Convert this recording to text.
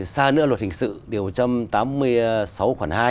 xa nữa luật hình sự điều một trăm tám mươi sáu khoảng hai